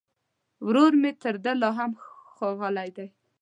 ورور يې تر ده لا هم ښاغلی دی